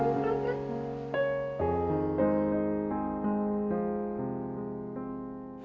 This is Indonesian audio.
coba sebelah kiri